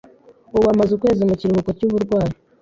Ubu amaze ukwezi mu kiruhuko cy’uburwayi.